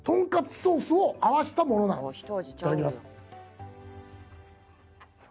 いただきます。